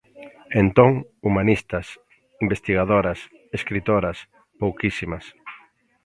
Entón, humanistas, investigadoras, escritoras... pouquísimas.